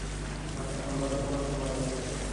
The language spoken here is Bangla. ধাক্কা সামলাতে তোমার সময় লাগবে।